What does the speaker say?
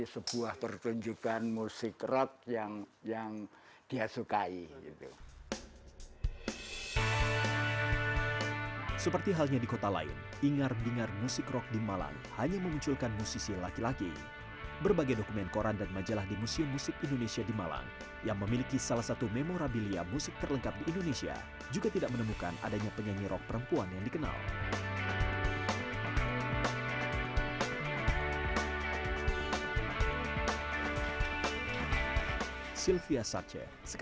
sebelumnya pada periode setelah kemerdekaan musik indonesia diselimuti gairah nasionalisme